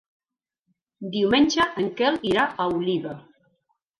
Diumenge en Quel irà a Oliva.